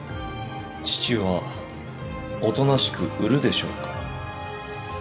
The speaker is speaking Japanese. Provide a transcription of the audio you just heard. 父はおとなしく売るでしょうか。